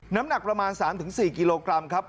น้ำหนักประมาณ๓๔กิโลกรัมครับ